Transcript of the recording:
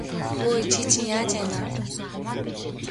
Хөөе чи чинь яаж байна аа?